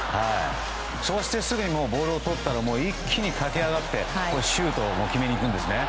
そしてすぐにボールをとったら一気に駆け上がってシュートを決めにいくんですね。